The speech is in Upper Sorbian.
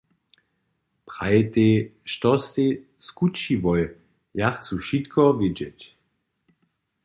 Prajtej što stej skućiłoj, ja chcu wšitko wědźeć!